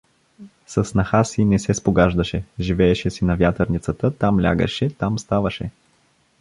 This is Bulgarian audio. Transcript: Със снаха си не се спогаждаше, живееше си на вятърницата, там лягаше, там ставаше.